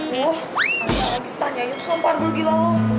wah anjalan kita nyayuk sompar dulu gila lo